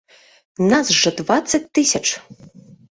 Нас жа дваццаць тысяч!